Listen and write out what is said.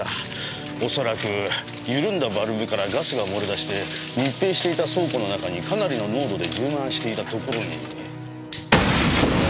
恐らく緩んだバルブからガスが漏れ出して密閉していた倉庫の中にかなりの濃度で充満していたところに。